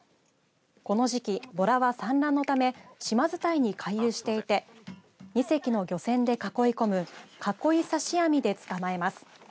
この時期、ぼらは産卵のため島伝いに回遊していて２隻の漁船で囲い込む囲い刺し網で捕まえます。